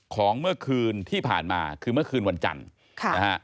ของเมื่อคืนที่ผ่านมาคือเมื่อคืนวันจันทร์ค่ะนะฮะ